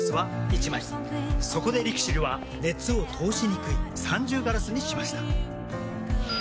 そこでＬＩＸＩＬは熱を通しにくい三重ガラスにしました。